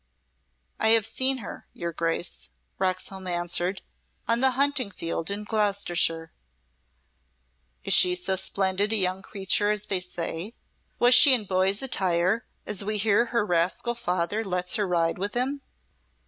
"I have seen her, your Grace," Roxholm answered, "on the hunting field in Gloucestershire." "Is she so splendid a young creature as they say? Was she in boy's attire, as we hear her rascal father lets her ride with him?"